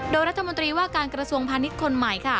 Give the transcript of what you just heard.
โดยรัฐมนตรีว่าการกระทรวงพาณิชย์คนใหม่ค่ะ